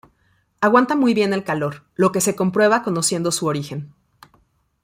Aguanta muy bien el calor, lo que se comprueba conociendo su origen.